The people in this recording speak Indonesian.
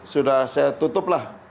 sudah saya tutup